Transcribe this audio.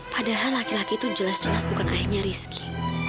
padahal laki laki itu jelas jelas bukan ayahnya rizki